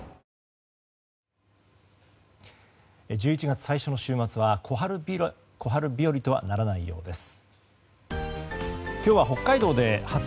１１月最初の週末は小春日和とはならないようです。